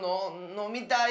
のみたい。